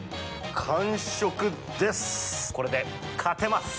完食です！